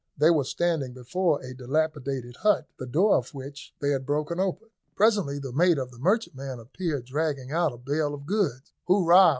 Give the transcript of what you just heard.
They were standing before a dilapidated hut, the door of which they had broken open. Presently the mate of the merchantman appeared dragging out a bale of goods. "Hurrah!